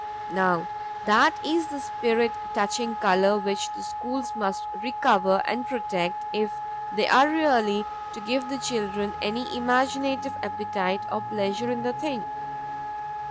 Now that is the spirit touching color which the schools must recover and protect if they are really to give the children any imaginative appetite or pleasure in the thing.